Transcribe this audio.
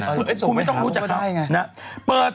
คุณไม่ต้องรู้จักครับ